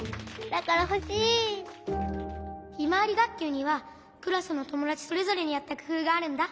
ひまわりがっきゅうにはクラスのともだちそれぞれにあったくふうがあるんだ。